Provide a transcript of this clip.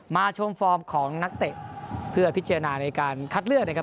ชมฟอร์มของนักเตะเพื่อพิจารณาในการคัดเลือกนะครับ